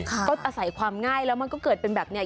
ก็อาศัยความง่ายแล้วมันก็เกิดเป็นแบบนี้